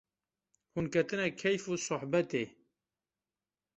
Hûn ketine keyf û sohbetê